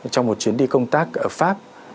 trong một chuyến đi công tác ở pháp